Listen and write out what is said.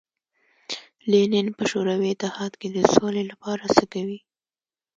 لینین په شوروي اتحاد کې د سولې لپاره څه کوي.